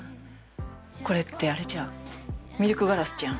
これってあれじゃんミルクガラスじゃん。